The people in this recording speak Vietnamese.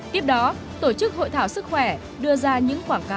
tiếp đó tổ chức hội thảo sức khỏe đưa ra những khoảng khả năng